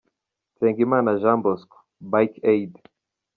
Nsengimana Jean Bosco – Bike Aid “”